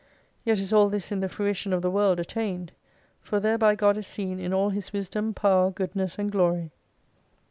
Yet is all this in the fruition of the World attained. For thereby God is seen in all His wisdom, power, goodness, and glory.